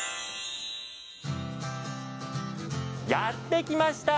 やって来ました！